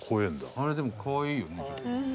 あれでもかわいいよね。